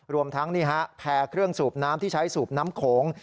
รวมทั้งแพร่เครื่องสูบน้ำที่ใช้สูบน้ำโขง